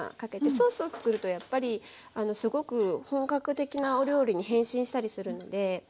ソースを作るとやっぱりすごく本格的なお料理に変身したりするので。